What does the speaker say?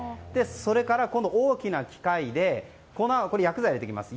それから、今度は大きな機械で粉、薬剤を入れていきます。